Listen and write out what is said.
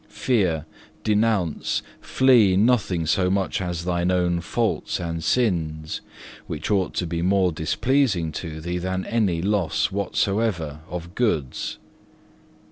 Fear, denounce, flee nothing so much as thine own faults and sins, which ought to be more displeasing to thee than any loss whatsoever of goods.